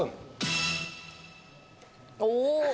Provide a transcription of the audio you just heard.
お。